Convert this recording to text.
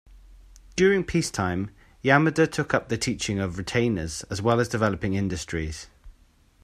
During peacetime, Yamada took up the teaching of retainers as well as developing industries.